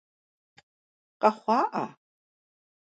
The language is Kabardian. Къэхъуа ӏа?